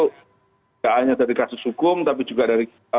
tidak hanya dari kasus hukum tapi juga dari